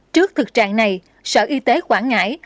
trước thực trạng này sở y tế quảng ngãi